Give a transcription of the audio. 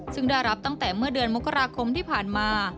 ซึ่งได้รับตั้งแต่เมื่อเดือนมกราคมที่ผ่านมา